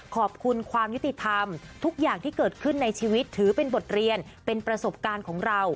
ขอบคุณความยุติธรรม